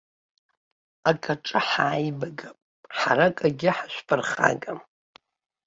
Акаҿы ҳааибагап, ҳара кгьы ҳашәԥырхагам.